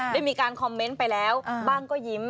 ได้มีการคอมเมนต์ไปแล้วบ้างก็ยิ้ม